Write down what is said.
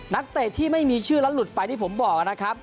เตะที่ไม่มีชื่อแล้วหลุดไปที่ผมบอกนะครับ